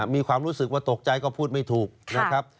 มีความรู้สึกว่าตกใจก็พูดไม่ถูกนะครับ